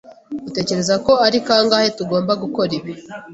Utekereza ko ari kangahe tugomba gukora ibi?